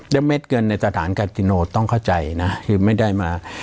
แล้วเม็ดเงินในสถานกากิโนต้องเข้าใจนะคือไม่ได้มา